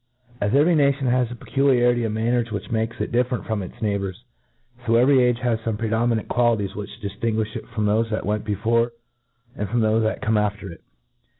AS every nation has a pequliarity of man ners Avhich makes it different from its neighbours j fo every age has fome predominan,t qualities which diftinguifli it from thofe that went before, and from thofe that come after it.